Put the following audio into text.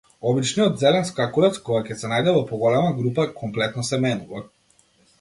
Обичниот зелен скакулец, кога ќе се најде во поголема група, комплетно се менува.